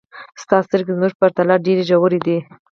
ستا سترګې زموږ په پرتله ډېرې ژورې دي.